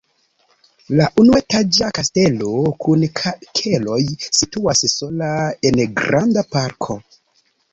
La unuetaĝa kastelo kun keloj situas sola en granda parko.